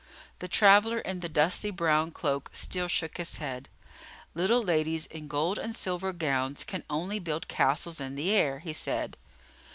The traveller in the dusty brown cloak still shook his head. "Little ladies in gold and silver gowns can only build castles in the air," he said.